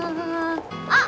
あっ！